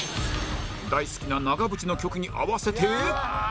大好きな長渕の曲に合わせて